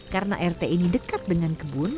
karena rt ini dekat dengan kebun